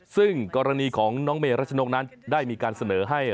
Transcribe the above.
ซึ่งกรณีของน้องเมรัชนกนั้นได้มีการเสนอให้